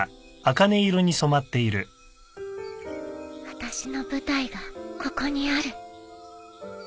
あたしの舞台がここにある。